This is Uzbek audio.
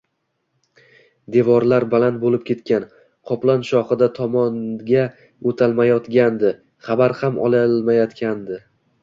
Devorlar baland bo‘lib ketgan, Qoplon Shohida tomonga o‘tolmayotgandi, xabar ham ololmayotgandi